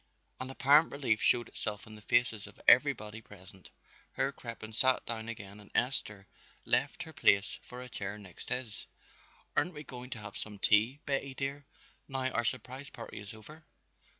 An apparent relief showed itself in the faces of everybody present. Herr Crippen sat down again and Esther left her place for a chair next his. "Aren't we going to have some tea, Betty dear, now our surprise party is over?"